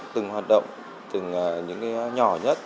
từng hoạt động từng những nhỏ nhất